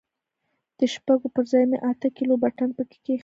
د شپږو پر ځاى مې اته کيلو پټن پکښې کښېښوول.